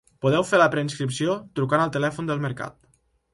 Podeu fer la preinscripció trucant al telèfon del mercat.